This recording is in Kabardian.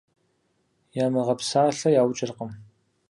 Ямыгъэпсалъэ яукӀыркъым.